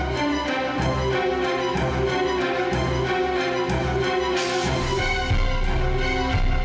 saya bisa teriak